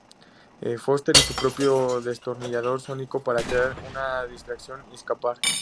Foster y su propio destornillador sónico para crear una distracción y escapar.